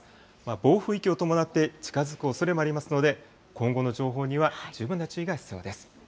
暴風域を伴って近づくおそれもありますので、今後の情報には十分な注意が必要です。